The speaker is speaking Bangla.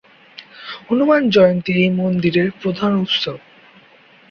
হনুমান জয়ন্তী এই মন্দিরের প্রধান উৎসব।